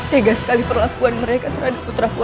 tega sekali perlakuan mereka terhadap putraku